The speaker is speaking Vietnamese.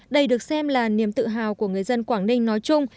đây được xem là niềm tự hào của người dân quảng ninh nói chung